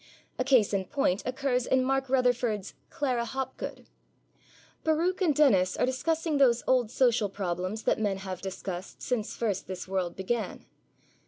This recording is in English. A case in point occurs in Mark Rutherford's Clara Hopgood. Baruch and Dennis are discussing those old social problems that men have discussed since first this world began.